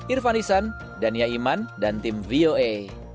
irfan isan dania iman dan tim voa